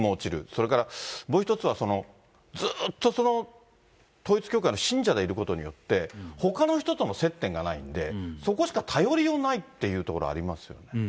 それからもう一つは、ずっとその、統一教会の信者でいることによって、ほかの人とも接点がないんで、そこしか頼りようのないっていうところもありますよ。